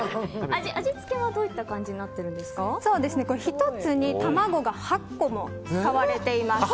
味付けはどういった感じに１つに卵が８個も使われています。